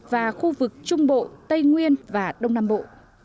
và khu vực trung bộ tây nguyên và đông nam bộ